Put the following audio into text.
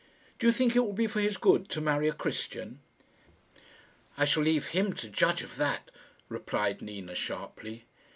"Do you think it will be for his good to marry a Christian?" "I shall leave him to judge of that," replied Nina, sharply.